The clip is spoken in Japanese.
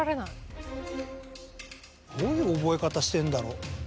どういう覚え方してんだろ？